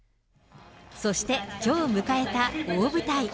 そしてきょう迎えた大舞台。